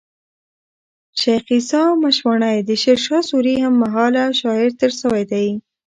شېخ عیسي مشواڼى د شېرشاه سوري هم مهاله شاعر تېر سوی دئ.